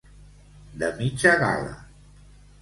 De mitja gala.